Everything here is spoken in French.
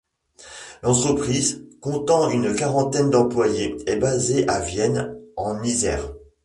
L'entreprise, comptant une quarantaine d'employés, est basée à Vienne en Isère.